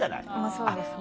そうですね。